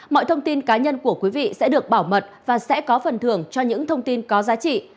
mọi thông tin cá nhân của quý vị sẽ được bảo mật và sẽ có phần thưởng cho những thông tin có giá trị